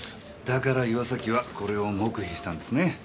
だから岩崎はこれを黙秘したんですね。